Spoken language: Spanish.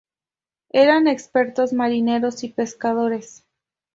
Eran expertos marineros y pescadores.